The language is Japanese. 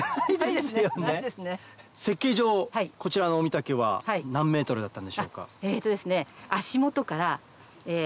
設計上こちらのお身丈は何ｍだったんでしょうか？